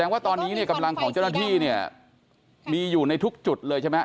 ว่าตอนนี้เนี่ยกำลังของเจ้าหน้าที่เนี่ยมีอยู่ในทุกจุดเลยใช่ไหม